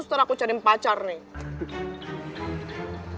setelah aku cariin pacar nih